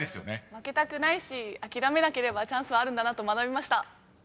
負けたくないし諦めなければチャンスはあるんだなと学びました。